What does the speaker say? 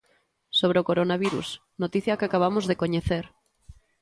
Sobre o coronavirus, noticia que acabamos de coñecer.